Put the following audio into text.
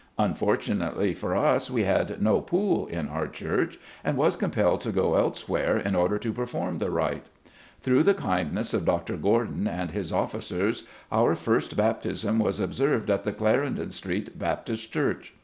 Unfortunately for us we had no pool in our church, and was compelled to go elsewhere in order to perform the rite. Through the kind ness of Dr. Gordon and his officers, our first bap tism was observed at the Clarendon Street Baptist Church.